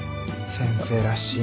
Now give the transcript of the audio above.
先生らしいな。